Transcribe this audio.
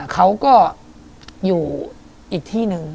เขาก็อยู่อีกที่หนึ่ง